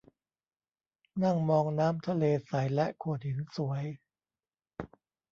นั่งมองน้ำทะเลใสและโขดหินสวย